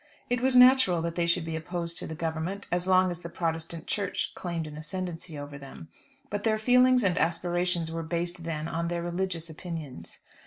It was natural that they should be opposed to the Government, as long as the Protestant Church claimed an ascendency over them. But their feelings and aspirations were based then on their religious opinions.